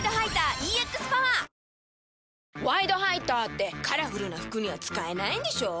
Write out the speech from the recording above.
「ワイドハイター」ってカラフルな服には使えないんでしょ？